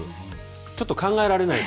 ちょっと考えられないです。